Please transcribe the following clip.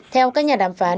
theo các nhà đàm phán